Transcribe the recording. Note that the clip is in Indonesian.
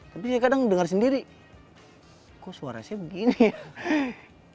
tapi saya kadang dengar sendiri kok suaranya begini ya